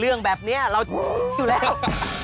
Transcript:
เรื่องแบบนี้เราอยู่แล้ว